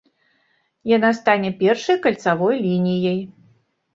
Яна стане першай кальцавой лініяй.